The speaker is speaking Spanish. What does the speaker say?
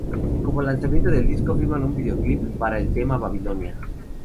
Como lanzamiento del disco filman un video clip para el tema "Babilonia".